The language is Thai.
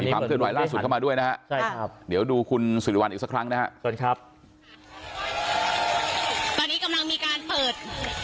มีความกันใหญ่ล่าสุดเข้ามาด้วยนะครับเดี๋ยวดูคุณสุริวัลอีกสักครั้งนะครับประอบทนี้กำลังมีการเปิด